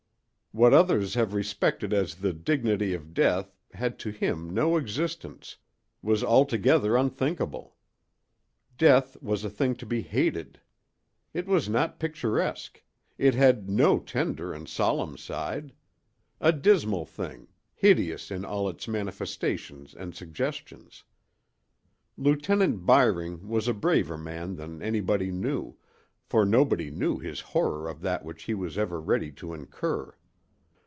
What others have respected as the dignity of death had to him no existence—was altogether unthinkable. Death was a thing to be hated. It was not picturesque, it had no tender and solemn side—a dismal thing, hideous in all its manifestations and suggestions. Lieutenant Byring was a braver man than anybody knew, for nobody knew his horror of that which he was ever ready to incur.